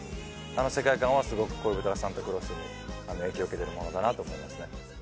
あの世界観はすごく『恋人がサンタクロース』に影響を受けてるものだなと思いますね。